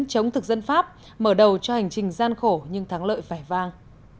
chống thực dân pháp mở đầu cho hành trình gian khổ nhưng thắng lợi vẻ vang